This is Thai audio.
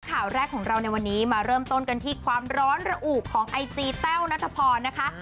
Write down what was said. ข่าวแรกของเราในวันนี้มาเริ่มต้นกันที่ความร้อนระอุของไอจีแต้วนัทพรนะคะ